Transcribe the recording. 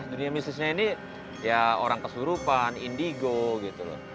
dunia mistisnya ini ya orang keselurupan indigo gitu loh